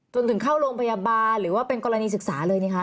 จนถึงเข้าโรงพยาบาลหรือว่าเป็นกรณีศึกษาเลยนี่คะ